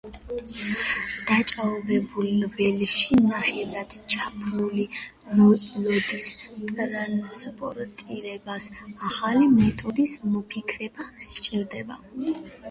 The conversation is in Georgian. დაჭაობებულ ველში ნახევრად ჩაფლული ლოდის ტრანსპორტირებას ახალი მეთოდის მოფიქრება სჭირდებოდა.